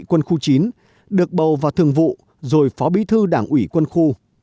chủ nhiệm chính trị quân khu chín được bầu vào thường vụ rồi phó bí thư đảng ủy quân khu